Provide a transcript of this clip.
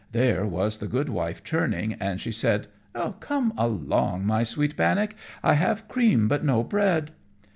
There was the good wife churning, and she said, "Come along, my wee Bannock. I have cream, but no bread."